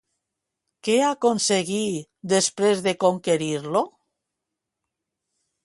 Què aconseguí després de conquerir-lo?